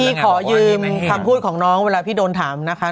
ขอยืมคำพูดของน้องเวลาพี่โดนถามนะคะ